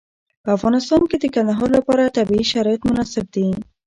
په افغانستان کې د کندهار لپاره طبیعي شرایط مناسب دي.